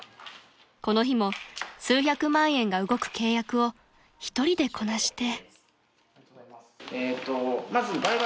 ［この日も数百万円が動く契約を一人でこなして］